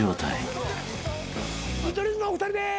見取り図のお二人です。